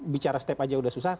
bicara step aja udah susah